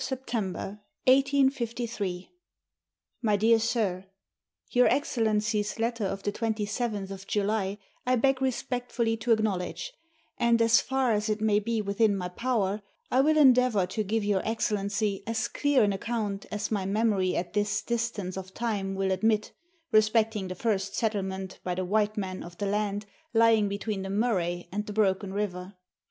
27. MY DEAR SIR, Wangaratta, 8th September 1853. Your Excellency's letter of the 27th July I beg respectfully to acknowledge, and, as far as it may be within my power, I will endeavour to give your Excellency as clear an account, as my memory at this distance of time will admit, respecting the first settlement by the white man of the land lying between the Murray and the Broken River.